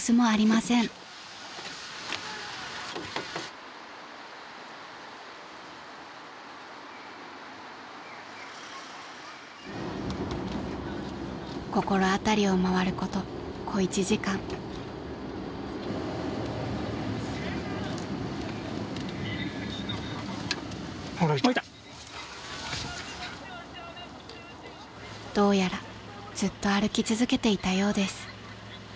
［どうやらずっと歩き続けていたようです］